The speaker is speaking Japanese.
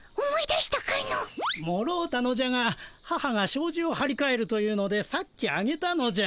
もろうたのじゃが母がしょうじをはりかえるというのでさっきあげたのじゃ。